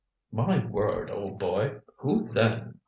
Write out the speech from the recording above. "My word, old boy, who then?"